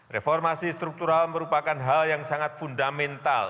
reformasi struktural merupakan hal yang sangat fundamental